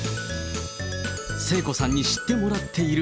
聖子さんに知ってもらっている。